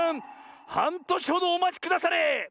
はんとしほどおまちくだされ！